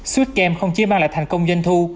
switch game không chỉ mang lại thành công doanh thu